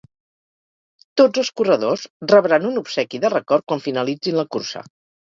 Tots els corredors rebran un obsequi de record quan finalitzin la cursa.